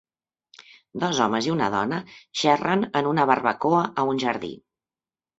Dos homes i una dona xerren en una barbacoa a un jardí.